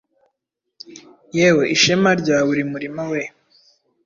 yewe ishema rya buri murima! We.